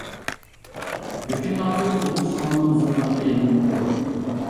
لېكىن ھازىر ئۇلۇغ خاننىڭ زېمىنىغا ئېلىنىپتۇ.